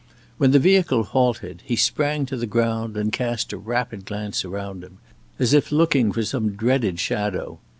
When the vehicle halted, he sprang to the ground and cast a rapid glance around him, as if looking for some dreaded shadow.